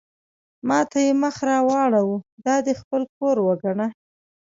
ما ته یې مخ را واړاوه: دا دې خپل کور وګڼه.